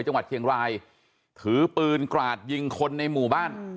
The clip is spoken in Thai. จังหวัดเชียงรายถือปืนกราดยิงคนในหมู่บ้าน